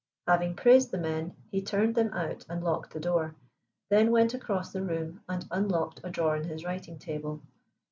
Having praised the men, he turned them out and locked the door, then went across the room and unlocked a drawer in his writing table.